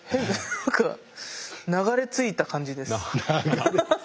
何か流れ着いた感じです。